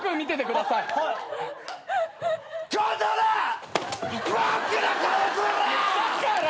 だから。